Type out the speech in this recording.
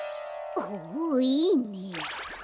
ほおいいね。